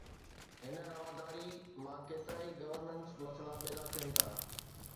هن رواداري مان ڪيترائي گورننس مسئلا پيدا ٿين ٿا.